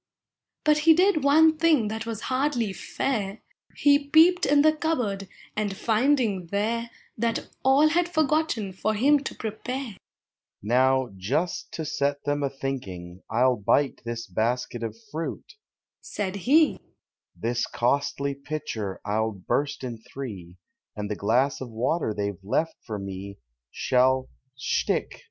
157 But be did one thing that was hardly fair,— He peeped in tlie cupboard, and, finding there That all had forgotten for him to prepare, —" Now, just to set them a thinking, I '11 bite this basket of fruit," said he; i4 This costly pitcher I '11 burst in three, And the glass of water they 've left for me Shall ' t chick!